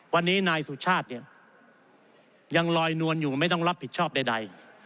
วันนี้นายสุชาติเนี่ยยังลอยนวลอยู่ไม่ต้องรับผิดชอบใด